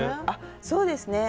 そうですね。